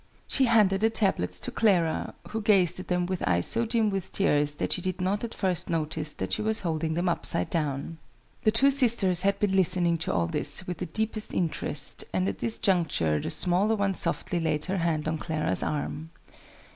_" She handed the tablets to Clara, who gazed at them with eyes so dim with tears that she did not at first notice that she was holding them upside down. The two sisters had been listening to all this with the deepest interest, and at this juncture the smaller one softly laid her hand on Clara's arm.